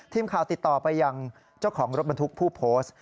ทีมข่าวติดต่อไปยังเจ้าของรถบรรทุกผู้โพสต์